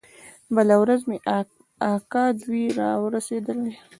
بله ورځ مې اکا دوى راورسېدل.